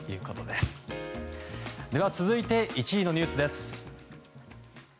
では、続いて１位のニュースです。